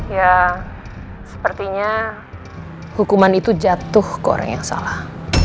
ya sepertinya hukuman itu jatuh ke orang yang salah